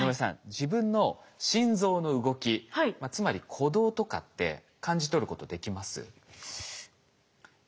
自分の心臓の動きつまり鼓動とかって感じ取ることできます？